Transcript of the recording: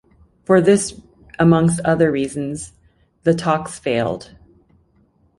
For this, amongst other reasons, the talks failed.